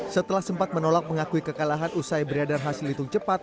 setelah sempat menolak mengakui kekalahan usai beredar hasil hitung cepat